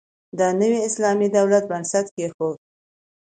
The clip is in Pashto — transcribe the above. د نوي اسلامي دولت بنسټ کېښود.